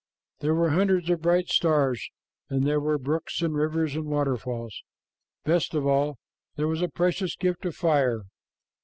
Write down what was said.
There were hundreds of bright stars, and there were brooks and rivers and waterfalls. Best of all, there was the precious gift of fire.